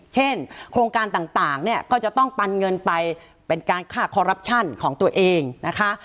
เช่นโครงการต่างเนี่ยก็จะต้องปันเงินไปเป็นการฆ่าคอรัปชั่นของตัวเองนะคะ